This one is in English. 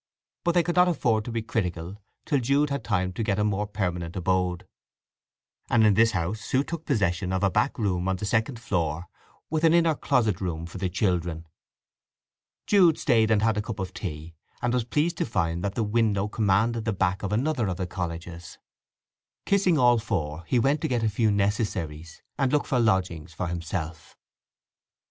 But they could not afford to be critical till Jude had time to get a more permanent abode; and in this house Sue took possession of a back room on the second floor with an inner closet room for the children. Jude stayed and had a cup of tea; and was pleased to find that the window commanded the back of another of the colleges. Kissing all four he went to get a few necessaries and look for lodgings for himself.